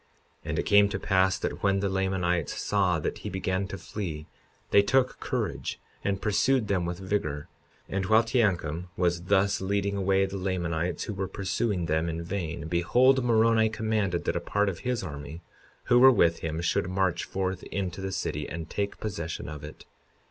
52:24 And it came to pass that when the Lamanites saw that he began to flee, they took courage and pursued them with vigor. And while Teancum was thus leading away the Lamanites who were pursuing them in vain, behold, Moroni commanded that a part of his army who were with him should march forth into the city, and take possession of it.